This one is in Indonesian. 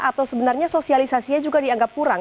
atau sebenarnya sosialisasinya juga dianggap kurang